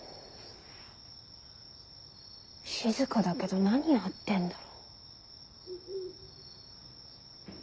静かだけど何やってんだろ。